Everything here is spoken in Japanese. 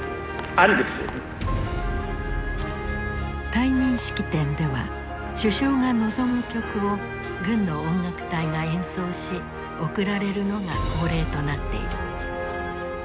退任式典では首相が望む曲を軍の音楽隊が演奏し送られるのが恒例となっている。